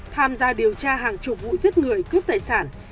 tham gia điều tra hàng chục vụ giết người cướp tài sản